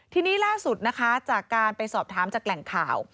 ทีนี้ล่าสุดนะคะจากการไปสอบถามจากแหล่งข่าว